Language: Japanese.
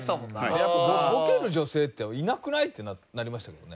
やっぱりボケる女性っていなくない？ってなりましたけどね。